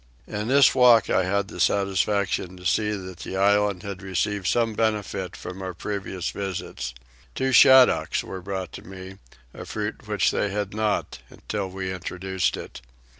In this walk I had the satisfaction to see that the island had received some benefit from our former visits. Two shaddocks were brought to me, a fruit which they had not, till we introduced it.